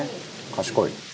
賢い」